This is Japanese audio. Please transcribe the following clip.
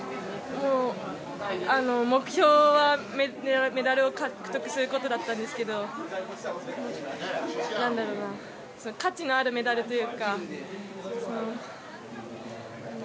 目標はメダルを獲得することだったんですけど価値のあるメダルというか。